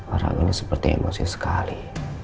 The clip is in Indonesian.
orang ini seperti emosi sekali